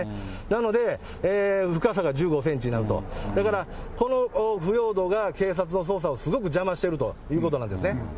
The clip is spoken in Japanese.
なので、深さが１５センチになると、だから、この腐葉土が、警察の捜査をすごく邪魔しているということなんですね。